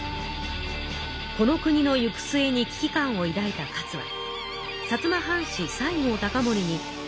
この国の行く末に危機感をいだいた勝は薩摩藩士西郷隆盛にこう語っています。